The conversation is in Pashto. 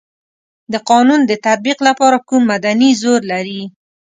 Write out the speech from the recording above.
د قانون د تطبیق لپاره کوم مدني زور لري.